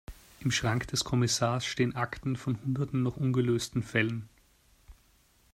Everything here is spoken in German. Im Schrank des Kommissars stehen Akten von hunderten noch ungelösten Fällen.